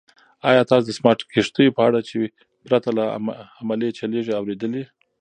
ایا تاسو د سمارټ کښتیو په اړه چې پرته له عملې چلیږي اورېدلي؟